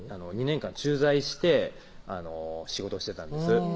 ２年間駐在して仕事してたんです